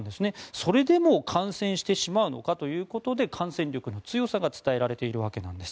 それでも感染してしまうのかということで感染力の強さが伝えられているわけなんです。